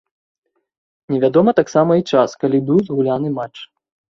Невядома таксама і час, калі быў згуляны матч.